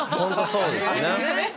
そうですよね。